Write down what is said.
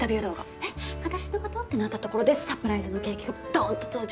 「えっ私のこと？」ってなったところでサプライズのケーキがドーンッと登場！